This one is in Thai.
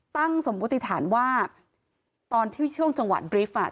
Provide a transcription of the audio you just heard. ตั้งสมบุติฐานว่าตอนที่ช่วงจังหวะดริฟต์